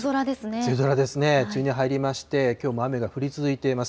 梅雨に入りまして、きょうも雨が降り続いています。